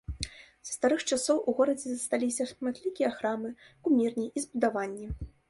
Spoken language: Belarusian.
Са старых часоў у горадзе засталіся шматлікія храмы, кумірні і збудаванні.